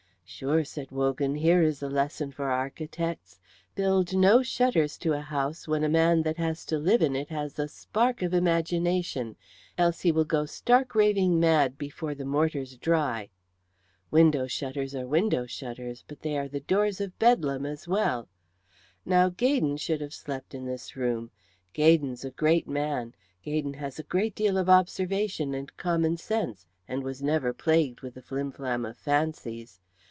"Sure," said Wogan, "here is a lesson for architects. Build no shutters to a house when the man that has to live in it has a spark of imagination, else will he go stark raving mad before the mortar's dry. Window shutters are window shutters, but they are the doors of Bedlam as well. Now Gaydon should have slept in this room. Gaydon's a great man. Gaydon has a great deal of observation and common sense, and was never plagued with a flim flam of fancies.